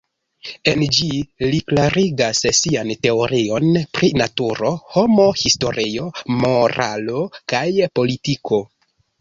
En ĝi li klarigas sian teorion pri naturo, homo, historio, moralo kaj politiko.